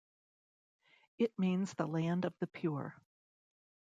It means the land of the Pure.